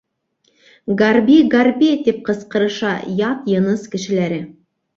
«Горби, Горби!» - тип ҡысҡырыша ят йыныс кешеләре.